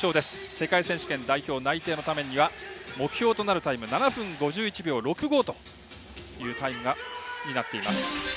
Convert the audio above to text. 世界選手権代表内定のためには目標のタイム７分５１秒６５というタイムになっています。